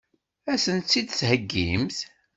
Ad sen-tt-id-theggimt?